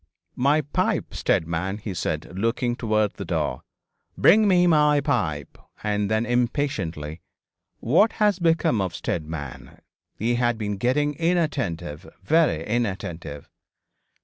'My pipe, Steadman,' he said, looking towards the door; 'bring me my pipe,' and then, impatiently, 'What has become of Steadman? He has been getting inattentive very inattentive.'